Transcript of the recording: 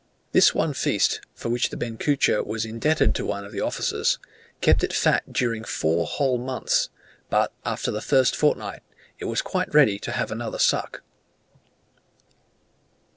This one feast, for which the benchuca was indebted to one of the officers, kept it fat during four whole months; but, after the first fortnight, it was quite ready to have another suck.